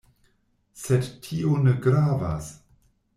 Sed tio ne gravas.